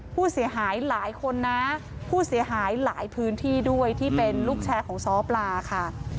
ผู้เสียหายหลายคนนะผู้เสียหายหลายพื้นที่ด้วยที่เป็นลูกแชร์ของซ้อปลาค่ะ